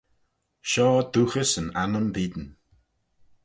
Shoh dooghys yn annym beayn.